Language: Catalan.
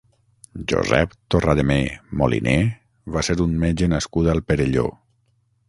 Josep Torrademé Moliné va ser un metge nascut al Perelló.